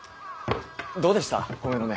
どうでした米の値。